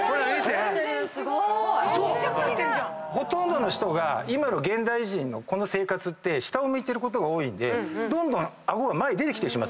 ほとんどの人が今の現代人のこの生活って下を向いてることが多いんで顎が前に出てきてしまってるんです。